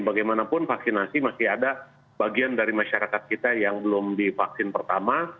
bagaimanapun vaksinasi masih ada bagian dari masyarakat kita yang belum divaksin pertama